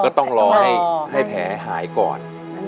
ก็ต้องรอให้แผลหายก่อน